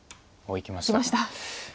いきました。